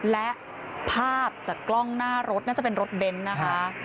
และภาพจากกล้องหน้ารถน่าจะเป็นรถเบนท์นะคะ